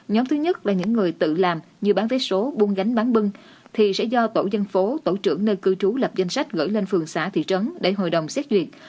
nhóm thứ nhất là những người tự làm như bán vé số buông gánh bán bưng thì sẽ do tổ dân phố tổ trưởng nơi cư trú lập danh sách gửi lên phường xã thị trấn để hội đồng xét duyệt